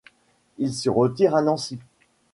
Il se retire à Nancy.